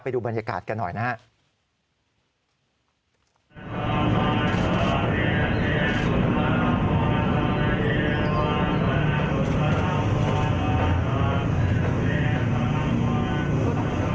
ไปดูบรรยากาศกันหน่อยนะฮะ